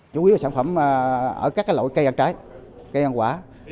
chủ yếu là sản phẩm ở các loại cây ăn trái cây ăn quả